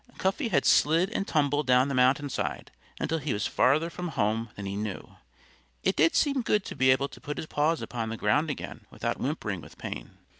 Cuffy had slid and tumbled down the mountainside until he was further from home than he knew. It did seem good to be able to put his paws upon the ground again without whimpering with pain.